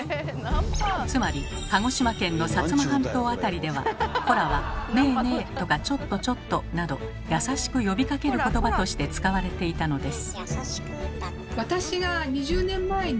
つまり鹿児島県の薩摩半島辺りでは「コラ」は「ねえねえ」とか「ちょっとちょっと」など優しく呼びかける言葉として使われていたのです。